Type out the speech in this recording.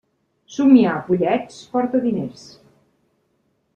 Somiar pollets porta diners.